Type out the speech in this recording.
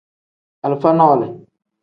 Alifa nole.